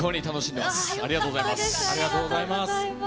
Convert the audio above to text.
ありがとうございます。